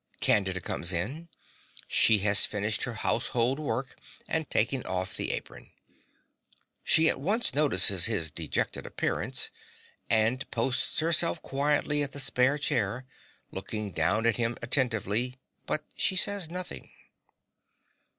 (Candida comes in. She has finished her household work and taken of the apron. She at once notices his dejected appearance, and posts herself quietly at the spare chair, looking down at him attentively; but she says nothing.)